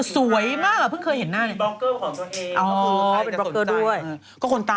สวยมากเพิ่งเคยเห็นน่า